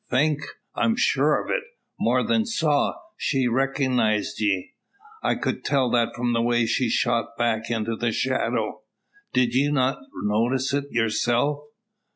"Think! I'm sure of it. More than saw she recognised ye. I could tell that from the way she shot back into the shadow. Did ye not notice it yourself?"